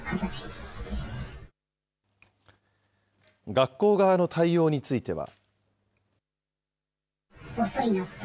学校側の対応については。